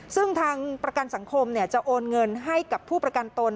ซึ่งทางประกันสังคมจะโอนเงินให้กับผู้ประกันตน